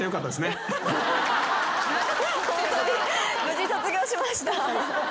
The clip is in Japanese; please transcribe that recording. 無事卒業しました。